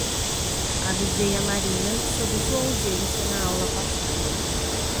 Avisei à Marina sobre sua ausência na aula passada